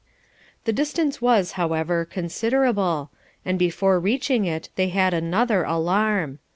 The distance was, however, considerable, and before reaching it they had another alarm.